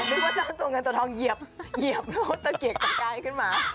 นึกว่าเจ้าตัวเงินตัวทองเหยียบแล้วก็ตะเกียกตะกายขึ้นมา